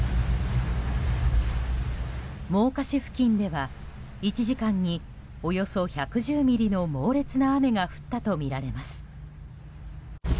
真岡市付近では１時間に、およそ１１０ミリの猛烈な雨が降ったとみられます。